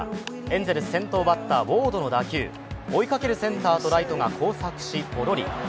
エンゼルス先頭バッターウォードの打球追いかけるセンターとライトが交錯しポロリ。